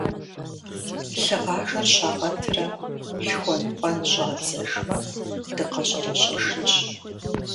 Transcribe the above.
Лъыгъажэр щагъэтрэ лъхуэн-пӀэн щӀадзэжмэ, дыкъэщӀэрэщӀэжынщ.